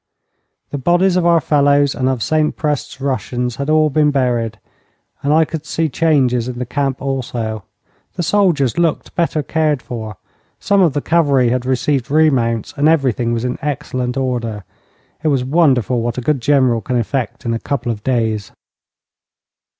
The bodies of our fellows and of St Prest's Russians had all been buried, and I could see changes in the camp also. The soldiers looked better cared for; some of the cavalry had received remounts, and everything was in excellent order. It was wonderful what a good general can effect in a couple of days.